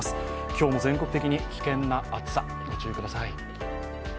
今日も全国的に危険な暑さ、ご注意ください。